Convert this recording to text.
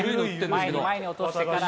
前に落としてから。